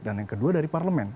dan yang kedua dari parlemen